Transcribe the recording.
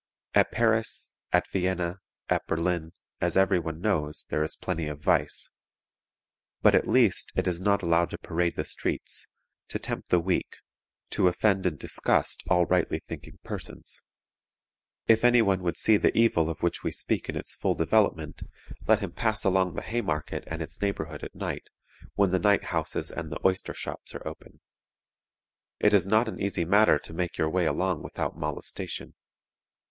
At Paris, at Vienna, at Berlin, as every one knows, there is plenty of vice; but, at least, it is not allowed to parade the streets, to tempt the weak, to offend and disgust all rightly thinking persons. If any one would see the evil of which we speak in its full development, let him pass along the Haymarket and its neighborhood at night, when the night houses and the oyster shops are open. It is not an easy matter to make your way along without molestation.